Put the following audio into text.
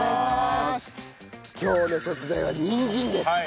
今日の食材はにんじんです。